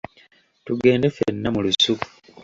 Tugende ffenna mu lusuku.